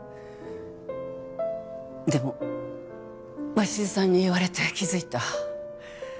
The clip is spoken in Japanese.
でも鷲津さんに言われて気付いた。